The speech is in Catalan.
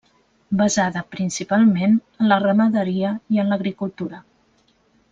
Basada principalment en la ramaderia i en l'agricultura.